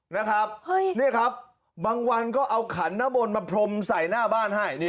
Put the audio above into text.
เนี่ยครับบางวันก็เอาขันน้ำมณมาพรมใส่หน้าบ้านให้